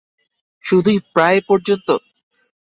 শুধুই প্রায় পর্যন্ত?